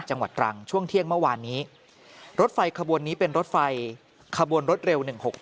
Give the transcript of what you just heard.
จังหวัดตรังช่วงเที่ยงเมื่อวานนี้รถไฟขบวนนี้เป็นรถไฟขบวนรถเร็ว๑๖๖